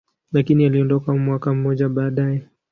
lakini aliondoka mwaka mmoja baadaye.